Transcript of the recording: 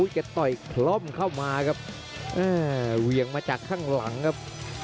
จะต่อยคล่อมเข้ามาครับเหวี่ยงมาจากข้างหลังครับ